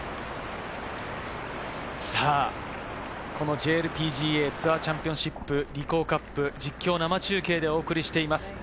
ＪＬＰＧＡツアーチャンピオンシップリコーカップ、実況生中継でお送りしています。